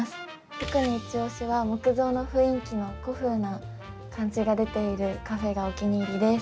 特にいちオシは木造の雰囲気の古風な感じが出ているカフェがお気に入りです。